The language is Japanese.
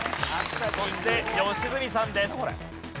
そして良純さんです。